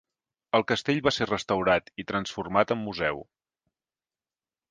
El castell va ser restaurat i transformat en museu.